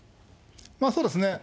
そうですね。